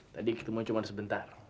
tadi ketemu cuma sebentar